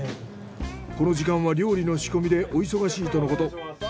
この時間は料理の仕込みでお忙しいとのこと。